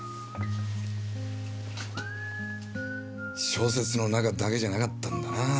小説の中だけじゃなかったんだなぁ。